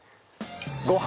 ご飯？